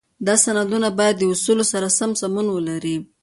دا سندونه باید د اصولو سره سمون ولري.